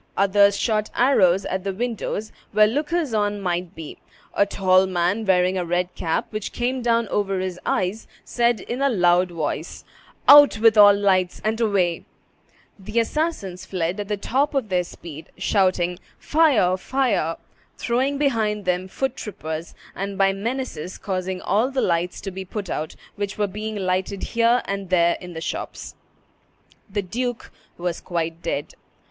Others shot arrows at the windows where lookers on might be. A tall man, wearing a red cap which came down over his eyes, said in a loud voice, "Out with all lights, and away!" The assassins fled at the top of their speed, shouting, "Fire! fire!" throwing behind them foot trippers, and by menaces causing all the lights to be put out which were being lighted here and there in the shops. [Illustration: Murder of the Duke of Orleans 38] The duke was quite dead.